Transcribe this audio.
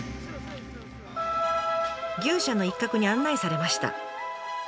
牛舎の一角に案内されました。